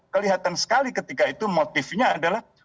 kelihatan sekali ketika itu motifnya adalah